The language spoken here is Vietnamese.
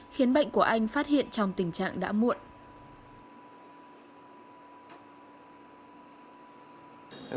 khiến bệnh của anh phát hiện trong tình trạng đã muộn